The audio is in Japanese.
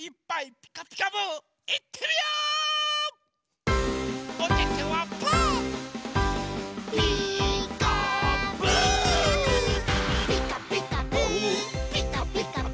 「ピカピカブ！ピカピカブ！」